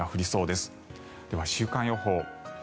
では週間予報。